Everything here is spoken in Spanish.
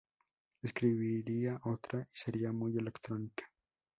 Escribiría otra y sería muy electrónica.